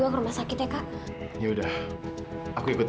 yang berdua dort nanti dia mau arc